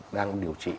đang điều trị